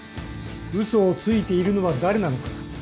嘘をついているのは誰なのか。